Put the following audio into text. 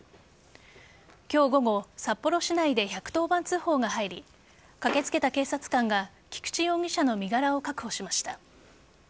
今日午後札幌市内で１１０番通報が入り駆けつけた警察官が菊池容疑者の身柄を確保しました。